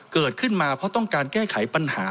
เกิดขึ้นมาเพราะต้องการแก้ไขปัญหา